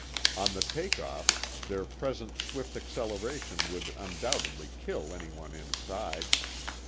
On the take off, their present swift acceleration would undoubtedly kill anyone inside.